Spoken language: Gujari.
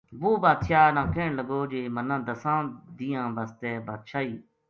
وہ بادشاہ نا کہن لگو جی منا دَساں دِیہنا ں بسطے بادشاہی